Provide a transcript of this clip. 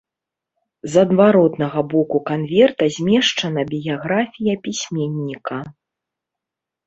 З адваротнага боку канверта змешчана біяграфія пісьменніка.